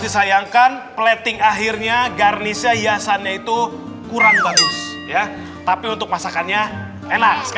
disayangkan plating akhirnya garnisnya hiasannya itu kurang bagus ya tapi untuk masakannya enak sekali